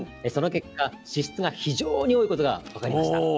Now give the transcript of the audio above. その結果脂質が非常に多いことが分かりました。